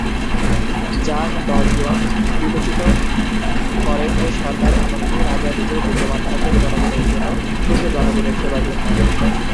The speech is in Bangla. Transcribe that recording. জাং দ-জিওন বিবেচিত করেন যে সরকার, এমনকি রাজা নিজে বিদ্যমান থাকবেন জনগণের জন্য, শুধু জনগণের সেবার জন্য।